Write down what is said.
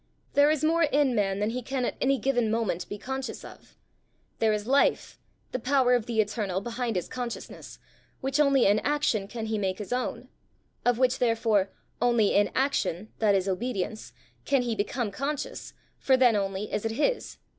There is more in man than he can at any given moment be conscious of; there is life, the power of the eternal behind his consciousness, which only in action can he make his own; of which, therefore, only in action, that is obedience, can he become conscious, for then only is it his."